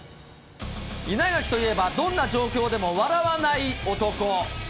稲垣といえば、どんな状況でも笑わない男。